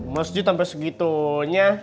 masjid sampai segitunya